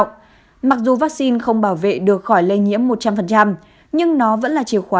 mặc dù vaccine không bảo vệ được khỏi lây nhiễm một trăm linh nhưng nó vẫn là chìa khóa